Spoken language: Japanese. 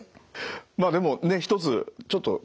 まあでもね一つちょっとこうね